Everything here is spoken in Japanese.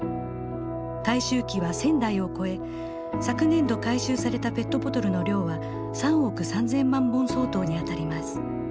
回収機は１，０００台を超え昨年度回収されたペットボトルの量は３億３，０００万本相当にあたります。